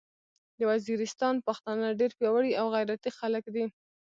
د ویزیریستان پختانه ډیر پیاوړي او غیرتي خلک دې